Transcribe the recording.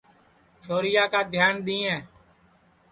چھورِیا کا دھِیان دِؔئیں